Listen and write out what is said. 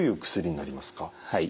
はい。